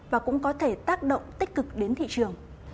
và cũng có thể tác động tích cực đến thị trường